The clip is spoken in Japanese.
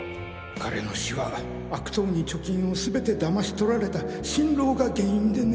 彼の死は悪党に貯金を全て騙し取られた心労が原因でね